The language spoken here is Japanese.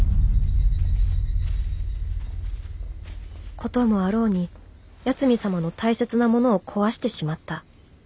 事もあろうに八海サマの大切なものを壊してしまった。